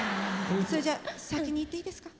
それじゃあ先にいっていいですか？